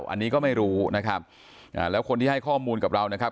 อันนี้ก็ไม่รู้นะครับอ่าแล้วคนที่ให้ข้อมูลกับเรานะครับ